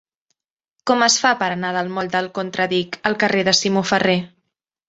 Com es fa per anar del moll del Contradic al carrer de Simó Ferrer?